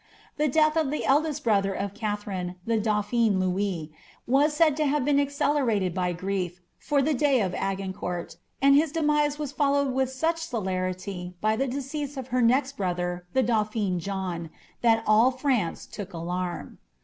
The death of the rother of Katherine, the dauphin Louis, was said to have been ted by grief, for the day of Agincourt, and his demise was fol ith such celerity by the decease of her next brother, the dau in, that all France took alarm.